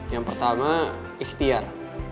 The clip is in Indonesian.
yang pertama ikhtiar